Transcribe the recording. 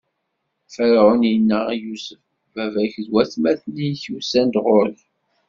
Ferɛun inna i Yusef: Baba-k d watmaten-ik usan-d ɣur-k.